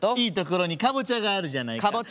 「いいところにかぼちゃがあるじゃないか」。